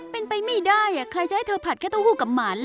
เป็นไปไม่ได้ใครจะให้เธอผัดแค่เต้าหู้กับหมัน